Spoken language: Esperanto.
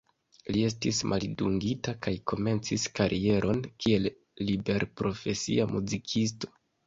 Li estis maldungita kaj komencis karieron kiel liberprofesia muzikisto.